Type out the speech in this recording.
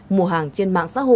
mùa hàng trên mạng xã hội